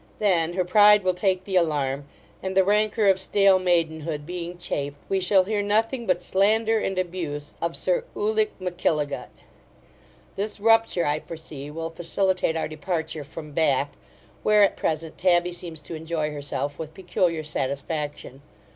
Then her pride will take the alarm; and the rancour of stale maidenhood being chafed, we shall hear nothing but slander and abuse of Sir Ulic Mackilligut This rupture, I foresee, will facilitate our departure from Bath; where, at present, Tabby seems to enjoy herself with peculiar satisfaction.